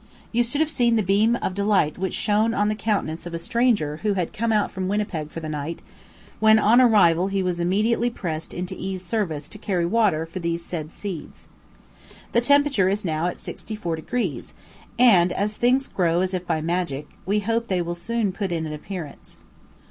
You should have seen the beam of delight which shone on the countenance of a stranger who had come out from Winnipeg for the night, when on arrival he was immediately pressed into E 's service to carry water for these said seeds. The temperature is now at 64 degrees, and, as things grow as if by magic, we hope they will soon put in an appearance.